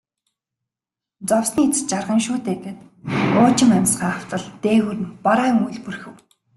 Зовсны эцэст жаргана шүү дээ гээд уужим амьсгаа автал дээгүүр нь бараан үүл бүрхэв.